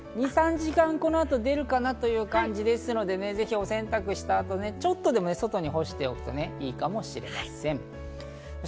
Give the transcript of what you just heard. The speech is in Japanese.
それが今日は少し２３時間、この後出るかなという感じですので、ぜひお洗濯した後、ちょっとでも外に干しておくといいかもしれません。